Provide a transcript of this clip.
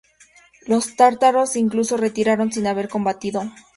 Los tártaros incluso retiraron sin haber combatido.